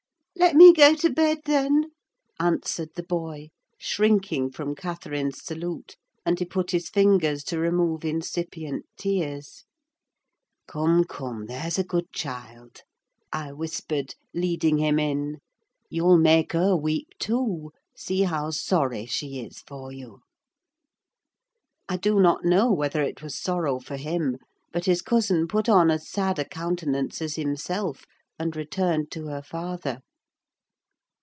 "Let me go to bed, then," answered the boy, shrinking from Catherine's salute; and he put his fingers to his eyes to remove incipient tears. "Come, come, there's a good child," I whispered, leading him in. "You'll make her weep too—see how sorry she is for you!" I do not know whether it was sorrow for him, but his cousin put on as sad a countenance as himself, and returned to her father.